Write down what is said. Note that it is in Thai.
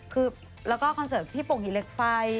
คือแล้วก็คอนเสิร์ตพี่โป่งหีเหล็กไฟ